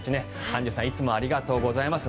アンジュさんいつもありがとうございます。